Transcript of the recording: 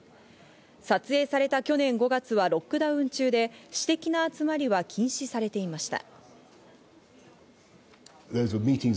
撮影された去年５月はロックダウン中で、私的な集まりは禁止されていました。